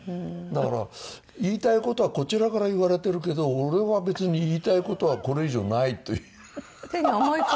だから言いたい事はこちらから言われてるけど俺は別に言いたい事はこれ以上ないという。